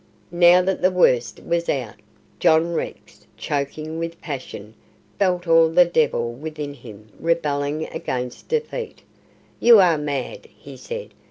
Now that the worst was out, John Rex, choking with passion, felt all the devil within him rebelling against defeat. "You are mad," he said.